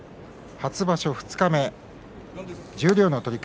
初場所二日目、十両の取組。